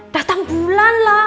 datang bulan lah